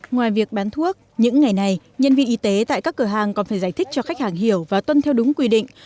ngoài việc bán thuốc những ngày này nhân viên y tế tại các cửa hàng còn phải giải thích cho khách hàng hiểu và tuân theo đúng quy định